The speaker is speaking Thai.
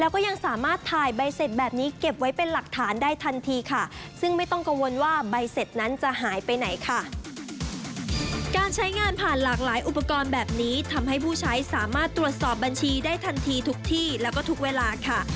การใช้งานผ่านหลากหลายอุปกรณ์แบบนี้ทำให้ผู้ใช้สามารถตรวจสอบบัญชีได้ทันทีทุกที่แล้วก็ทุกเวลาค่ะ